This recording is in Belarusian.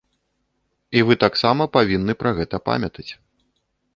І вы таксама павінны пра гэта памятаць.